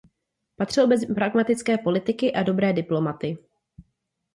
Patřil mezi pragmatické politiky a dobré diplomaty.